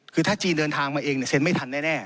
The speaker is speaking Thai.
คือถ้าจีนเดินทางมาเองเซ็นไม่ทันแน่